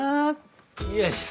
よいしょ。